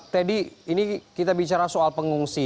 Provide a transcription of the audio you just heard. teddy ini kita bicara soal pengungsi